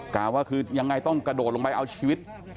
กล่าวว่าคือยังไงต้องกระโดดลงไปเอาชีวิต